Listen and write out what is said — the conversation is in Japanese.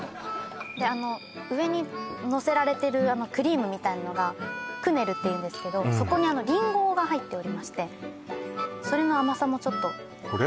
であの上にのせられてるクリームみたいなのがクネルっていうんですけどそこにリンゴが入っておりましてそれの甘さもちょっとこれ？